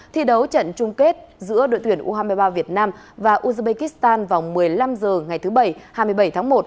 thi đấu trận chung kết giữa đội tuyển u hai mươi ba việt nam và uzbekistan vào một mươi năm h ngày thứ bảy hai mươi bảy tháng một